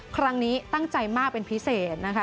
ครั้งนี้ตั้งใจมากเป็นพิเศษนะคะ